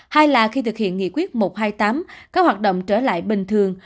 hai là khi thực hiện nghị quyết một trăm hai mươi tám có hoạt động trở lại bình thường